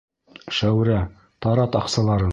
Шәүрә, тарат аҡсаларын!